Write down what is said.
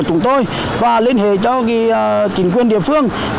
chúng tôi và liên hệ cho chính quyền địa phương